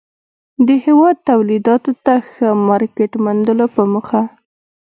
د هېواد توليداتو ته ښه مارکيټ موندلو په موخه